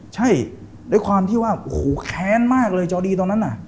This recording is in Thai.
ใช่ด้วยความที่ว่าโอ้โหแค้นมากเลยจอดีตอนนั้นน่ะ